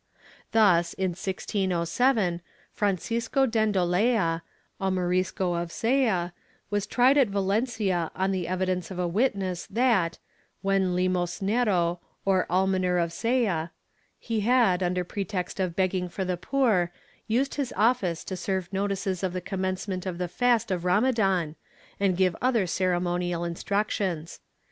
Thus, in 1607, Fran cisco Dendolea, a Morisco of Xea, was tried at Valencia on the evidence of a witness that, when limosnero or almoner of Xea, he had, under pretext of begging for the poor, used his office to serve notices of the commencement of the fast of Ramadan and give other ceremonial instructions.